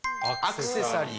アクセサリー。